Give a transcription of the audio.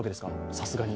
さすがに。